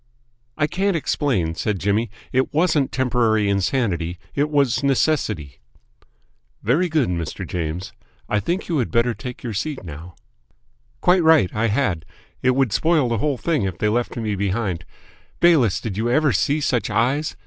"I can't explain," said Jimmy. "It wasn't temporary insanity; it was necessity." "Very good, Mr. James. I think you had better be taking your seat now." "Quite right, I had. It would spoil the whole thing if they left me behind. Bayliss, did you ever see such eyes?